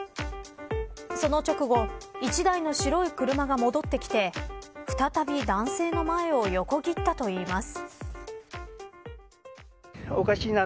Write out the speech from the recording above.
その直後１台の白い車が戻ってきて再び男性の前を横切ったといいます。